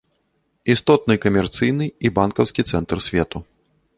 Істотны камерцыйны і банкаўскі цэнтр свету.